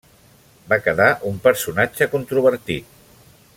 Va quedar un personatge controvertit.